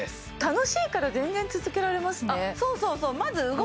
楽しいから全然続けられますね